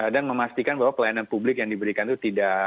dan memastikan bahwa pelayanan publik yang diberikan itu tidak